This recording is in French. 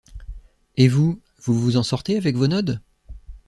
Et vous, vous vous en sortez avec vos nodes?